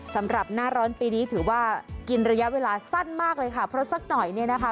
สำหรับหน้าร้อนปีนี้ถือว่ากินระยะเวลาสั้นมากเลยค่ะ